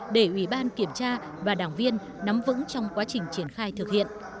để ủy ban kiểm tra và đảng viên nắm vững trong quá trình triển khai thực hiện